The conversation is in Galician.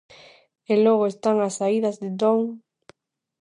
E logo están as saídas de ton...